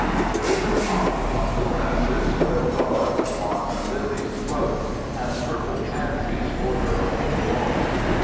There is a pond among the grasses, where broad, wan lilies float, and purple pansies border all the walks.